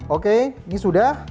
oke ini sudah